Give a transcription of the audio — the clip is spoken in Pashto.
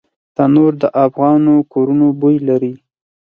تنور د افغانو کورونو بوی لري